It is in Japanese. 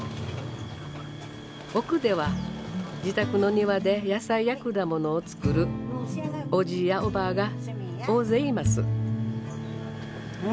奥では自宅の庭で野菜や果物を作るおじぃやおばぁが大勢います。